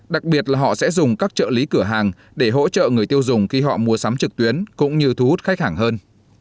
đặc biệt là họ sẽ dùng các trợ lý cửa hàng để hỗ trợ người tiêu dùng khi họ mua sắm trực tuyến cũng như thu hút khách hàng hơn